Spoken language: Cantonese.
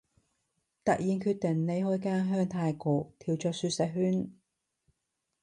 突然決定離開家鄉泰國，跳出舒適圈